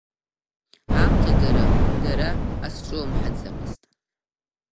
Аамҭа гара дара азҿлымҳаӡамызт.